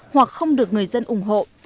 hoặc không được người dân ủng hộ